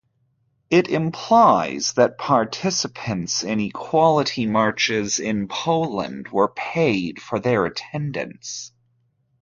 It implies that participants in equality marches in Poland were paid for their attendance.